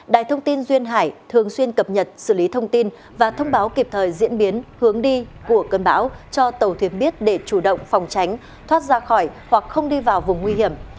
đài thông tin duyên hải thường xuyên cập nhật xử lý thông tin và thông báo kịp thời diễn biến hướng đi của cơn bão cho tàu thuyền biết để chủ động phòng tránh thoát ra khỏi hoặc không đi vào vùng nguy hiểm